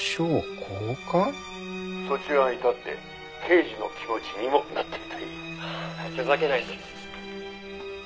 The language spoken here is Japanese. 「そっち側に立って刑事の気持ちにもなってみたい」「ふざけないで」